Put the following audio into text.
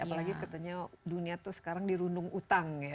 apalagi katanya dunia itu sekarang dirundung utang ya